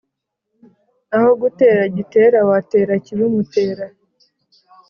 Aho gutera Gitera watera ikibimutera.